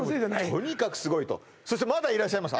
とにかくすごいとそしてまだいらっしゃいます